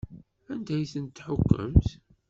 Anda ay ten-tḥukkemt?